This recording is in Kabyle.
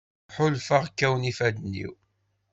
Ḥulfaɣ kkawen ifadden-iw.